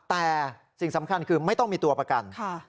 แต่สิ่งสำคัญคือไม่ต้องมีตัวประกัน